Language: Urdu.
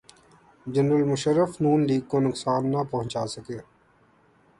جنرل مشرف نون لیگ کو نقصان نہ پہنچا سکے۔